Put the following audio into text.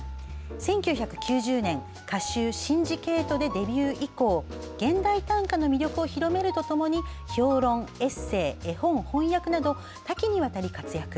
１９９０年歌集「シンジケート」でデビュー以降現代短歌の魅力を広めるとともに評論、エッセー、絵本、翻訳など多岐にわたり活躍。